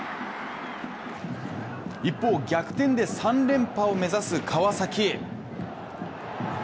一方、逆転で３連覇を目指す川崎。